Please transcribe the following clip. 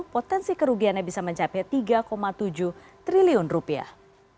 potensi kerugiannya bisa mencapai tiga tujuh triliun rupiah